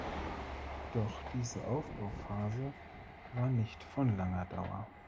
Doch diese Aufbauphase war nicht von langer Dauer.